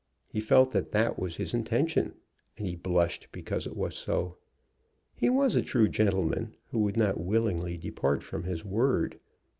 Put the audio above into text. He felt that that was his intention, and he blushed because it was so. He was a true gentleman, who would not willingly depart from his word.